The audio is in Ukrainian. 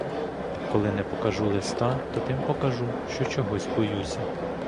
Коли не покажу листа, то тим покажу, що чогось боюся.